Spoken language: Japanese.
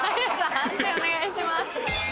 判定お願いします。